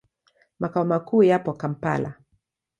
Makao makuu yapo Kampala.